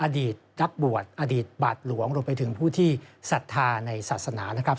อดีตนักบวชอดีตบาทหลวงรวมไปถึงผู้ที่ศรัทธาในศาสนานะครับ